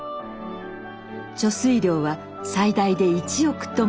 貯水量は最大で１億トン。